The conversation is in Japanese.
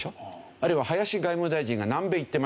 あるいは林外務大臣が南米行ってましたよね。